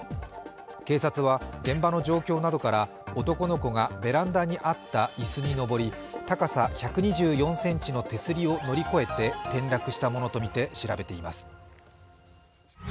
警察は現場の状況などから男の子がベランダにあった椅子に上り高さ１２４ｃｍの手すりを乗り越えて転落したものとみて調べています。